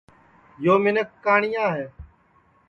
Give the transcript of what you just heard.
یو منکھ کانٹُٹیا ہے